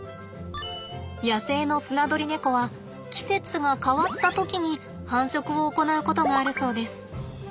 野生のスナドリネコは季節が変わった時に繁殖を行うことがあるそうです。